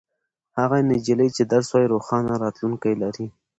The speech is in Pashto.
هغه نجلۍ چې درس وايي روښانه راتلونکې لري.